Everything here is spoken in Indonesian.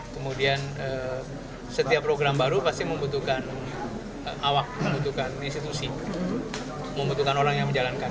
kemudian setiap program baru pasti membutuhkan awak membutuhkan institusi membutuhkan orang yang menjalankan